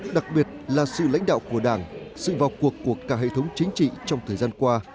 đặc biệt là sự lãnh đạo của đảng sự vào cuộc của cả hệ thống chính trị trong thời gian qua